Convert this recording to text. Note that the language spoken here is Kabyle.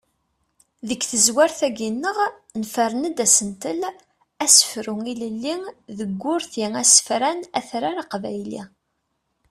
Deg tezrawt-agi-nneɣ nefren-d asentel: asefru ilelli deg urti asefran atrar aqbayli.